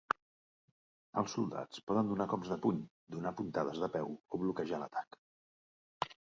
Els soldats poden donar cops de puny, donar puntades de peu o bloquejar l'atac.